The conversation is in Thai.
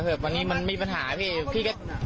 ลูกเขาเขาเลี้ยงเองได้